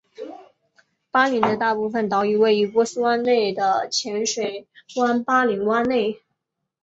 巴林的大部分岛屿位于波斯湾内的浅水湾巴林湾内。